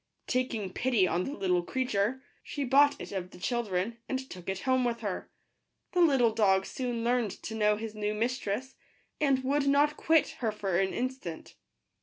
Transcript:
Taking pity on the little creature, she bought it of the children, and took it home with her. The little dog soon learned to know his new mis tress, and would not quit her for an instant.